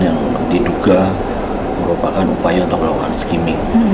yang diduga merupakan upaya untuk melakukan skimming